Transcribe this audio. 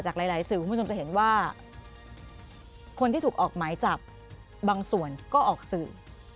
หลายสื่อคุณผู้ชมจะเห็นว่าคนที่ถูกออกหมายจับบางส่วนก็ออกสื่อ